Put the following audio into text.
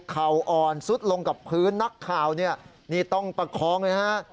อ่อนซุดลงกับพื้นนักข่าวเนี่ยนี่ต้องประคองเลยฮะ